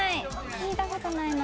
聞いた事ないな。